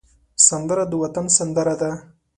سندره د وطن سندره ده